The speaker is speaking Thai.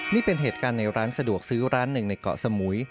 นี่เป็นเหตุการณ์ในร้านสะดวกซื้อร้านหนึ่งในเกาะสมุย